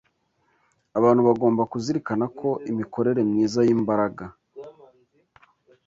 Abantu bagomba kuzirikana ko imikorere myiza y’imbaraga